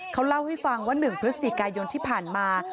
เขาเล่าให้ฟังว่า๑พฤศจิกายนที่ผ่านมา